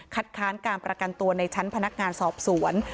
ค้านการประกันตัวในชั้นพนักงานสอบสวน